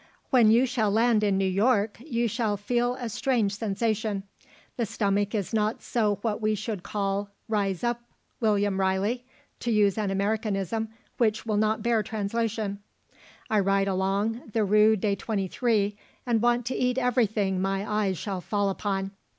"When you shall land in New York, you shall feel a strange sensation. The stomach is not so what we should call 'Rise up William Riley,' to use an Americanism which will not bear translation. I ride along the Rue de Twenty three, and want to eat everything my eyes shall fall upon.